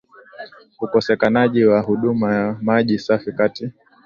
ukosekanaji wa huduma ya maji safi kati